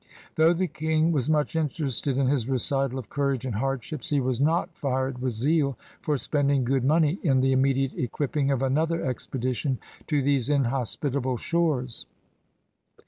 Though the King was much interested in his recital of courage and hardships, he was not fired with zeal for spending good money in the immediate equipping of another expedition to these inhospitable shores.